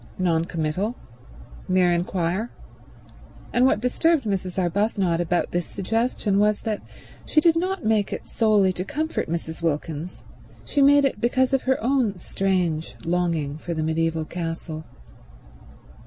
Non committal. Mere inquiry. And what disturbed Mrs. Arbuthnot about this suggestion was that she did not make it solely to comfort Mrs. Wilkins; she made it because of her own strange longing for the mediaeval castle.